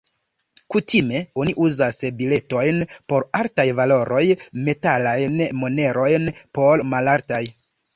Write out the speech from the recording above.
Kutime oni uzas biletojn por altaj valoroj, metalajn monerojn por malaltaj.